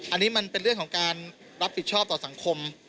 อันนี้มันเป็นเรื่องของการรับผิดชอบต่อสังคม